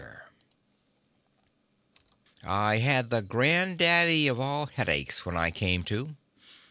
V I had the grandaddy of all headaches when I came to.